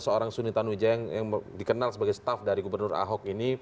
seorang suni tanuwija yang dikenal sebagai staf dari gubernur ahok ini